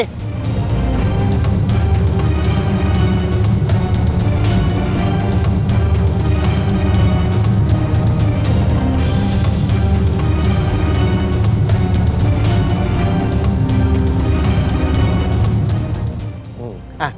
แล้วเป็นต่อไป